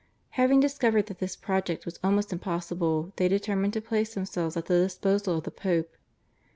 Having discovered that this project was almost impossible they determined to place themselves at the disposal of the Pope.